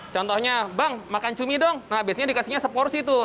contohnya bang makan cumi dong nah biasanya dikasihnya seporsi tuh